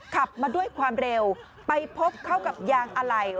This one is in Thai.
ขับมาด้วยความเร็วไปพบเข้ากับยางอะไหล่